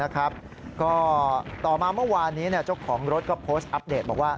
ก็ต่อมาเมื่อวานนี้เจ้าของรถก็โพสต์อัปเดตบอกว่า